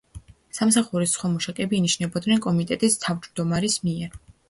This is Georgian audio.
სამსახურის სხვა მუშაკები ინიშნებოდნენ კომიტეტის თავმჯდომარის მიერ.